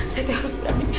saya tidak harus berani